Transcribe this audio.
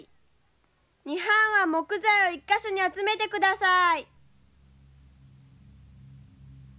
２班は木材を１か所に集めてください。